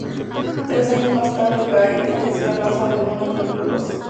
Tres años más tarde Gail falleció a causa de una tuberculosis.